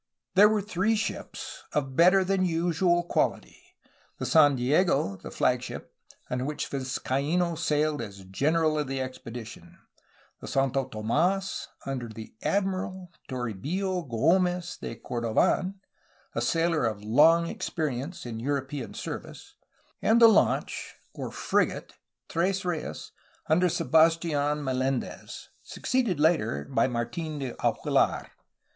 There were three ships, of better than usual quaUty: the San Diego j the flagship, on which Vizcaino sailed as ''general'' of the expedition; the Santo TomdSy under the ''admiral'' Toribio G6mez de Corbdn, a sailor of long experience in European service; and the launch, or "frigate," Tres Reyes j under Sebastidn Mel^ndez, succeeded later by Martin de Aguilar.